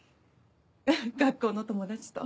学校の友達と。